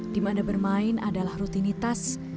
di mana bermain adalah rutinitas